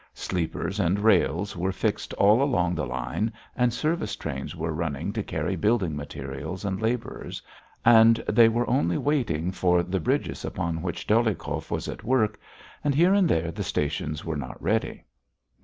Sleepers and rails were fixed all along the line, and service trains were running to carry building materials and labourers, and they were only waiting for the bridges upon which Dolyhikov was at work, and here and there the stations were not ready.